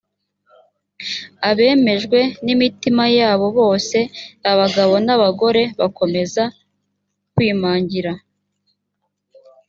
abemejwe n’imitima yabo bose abagabo n’abagore bakomeza kwimangira